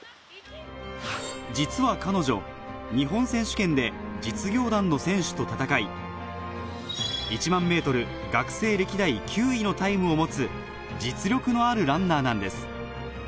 実は彼女日本選手権で実業団の選手と戦いのタイムを持つ実力のあるランナーなんです